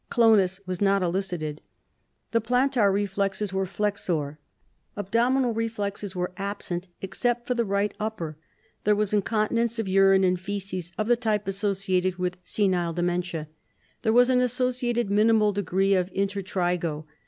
Clonus was not elicited. The plantar reflexes were flexor. Abdominal reflexes were absent, except for the right upper. There was incontinence of urine and feces, of the type associated with senile dementia. There was an associated minimal degree of intertrigo.